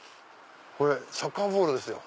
これサッカーボールですよ。